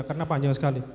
karena panjang sekali